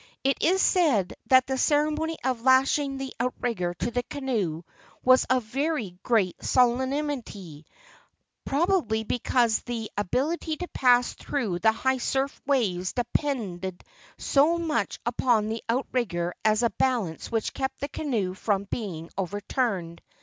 It is said that the ceremony of lashing the outrigger to the canoe was of very great solemnity, probably because the ability to pass through the high surf waves depended so much upon the out¬ rigger as a balance which kept the canoe from being overturned.